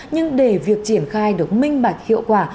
nhưng để việc triển khai được minh bạch hiệu quả